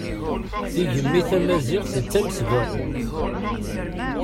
Tigemmi tamaziɣt d tamesbaɣurt.